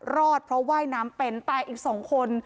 รอดเพราะว่ายน้ำเป็นแต่อีก๒คน